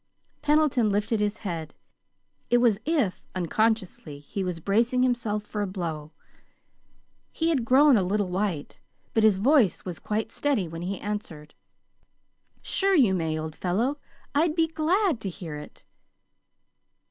Pendleton lifted his head. It was as if, unconsciously, he was bracing himself for a blow. He had grown a little white; but his voice was quite steady when he answered. "Sure you may, old fellow. I'd be glad to hear it."